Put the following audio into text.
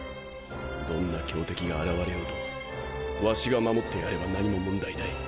どんな強敵が現れようとワシが護ってやれば何も問題ない。